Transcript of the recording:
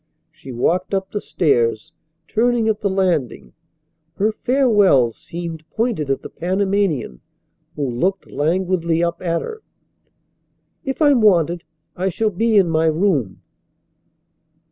She walked up the stairs, turning at the landing. Her farewell seemed pointed at the Panamanian who looked languidly up at her. "If I'm wanted I shall be in my room."